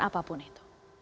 tata pun itu